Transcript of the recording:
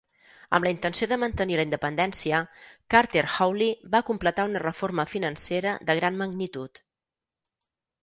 Amb la intenció de mantenir la independència, Carter Hawley va completar una reforma financera de gran magnitud.